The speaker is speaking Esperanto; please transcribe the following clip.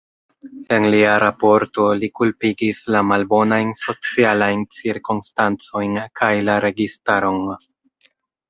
En lia raporto, li kulpigis la malbonajn socialajn cirkonstancojn kaj la registaron.